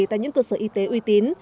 tại những cơ sở y tế uy tín